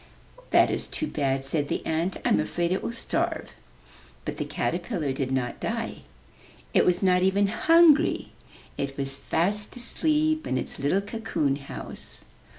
"That is too bad," said the ant, "I'm afraid it will starve." But the caterpillar did not die. It was not even hungry. It was fast asleep in its little cocoon house.